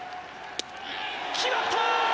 決まったー！